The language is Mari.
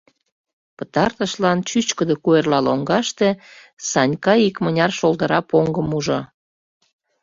Пытартышлан чӱчкыдӧ куэрла лоҥгаште Санька икмыняр шолдыра поҥгым ужо.